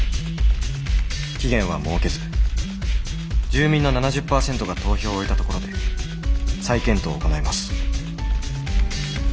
期限は設けず住民の７０％が投票を終えたところで再検討を行います。